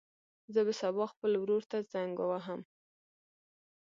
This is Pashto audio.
زه به سبا خپل ورور ته زنګ ووهم.